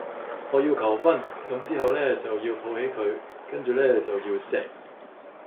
我要求婚，咁之後呢就要抱起佢跟住呢就要錫